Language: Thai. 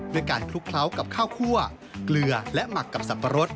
ด้วยการคลุกเคล้ากับข้าวคั่วเกลือและหมักกับสับปะรด